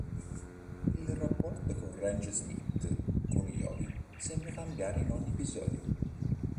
Il rapporto di Ranger Smith con Yoghi sembra cambiare in ogni episodio.